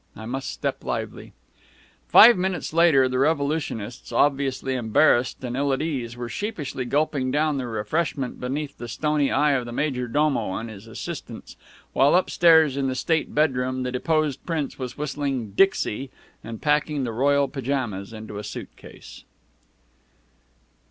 I must step lively." Five minutes later the revolutionists, obviously embarrassed and ill at ease, were sheepishly gulping down their refreshment beneath the stony eye of the majordomo and his assistants, while upstairs in the state bedroom the deposed Prince was whistling "Dixie" and packing the royal pajamas into a suitcase.